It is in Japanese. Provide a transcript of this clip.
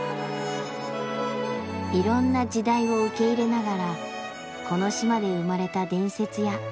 いろんな時代を受け入れながらこの島で生まれた伝説や妖精たち。